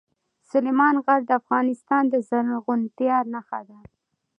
سلیمان غر د افغانستان د زرغونتیا نښه ده.